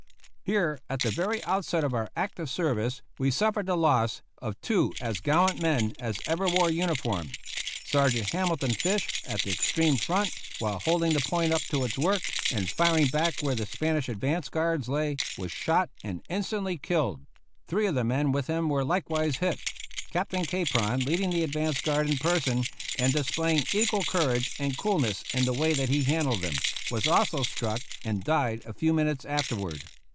Here, at the very outset of our active service, we suffered the loss of two as gallant men as ever wore uniform. Sergeant Hamilton Fish at the extreme front, while holding the point up to its work and firing back where the Spanish advance guards lay, was shot and instantly killed; three of the men with him were likewise hit. Captain Capron, leading the advance guard in person, and displaying equal courage and coolness in the way that he handled them, was also struck, and died a few minutes afterward.